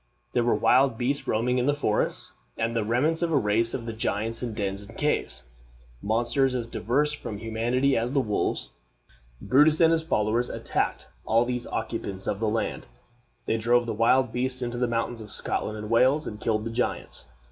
There were wild beasts roaming in the forests, and the remains of a race of giants in dens and caves monsters as diverse from humanity as the wolves. Brutus and his followers attacked all these occupants of the land. They drove the wild beasts into the mountains of Scotland and Wales, and killed the giants.